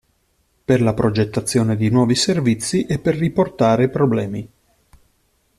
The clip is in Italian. Per la progettazione di nuovi servizi, e per riportare problemi.